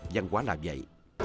dân quán làm vậy